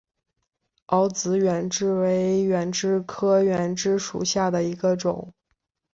凹籽远志为远志科远志属下的一个种。